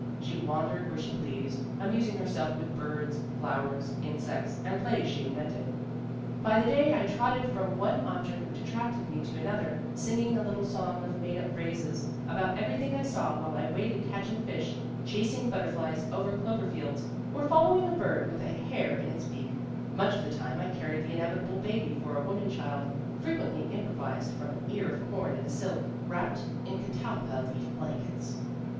She wandered where she pleased, amusing herself with birds, flowers, GENE STRATTON PORTER 93 insects and plays she invented. 'By the day I trotted from one object which attracted me to another, sing ing a little song of made up phrases about everything I saw while I waded catching fish, chasing butterflies over clover fields, or following a bird with a hair in its beak; much of the time I carried the inevitable baby for a woman child, frequently improvised from an ear of corn in the silk, wrapped in catalpa leaf blankets.